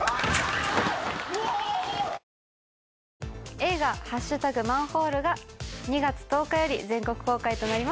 映画『＃マンホール』が２月１０日より全国公開となります。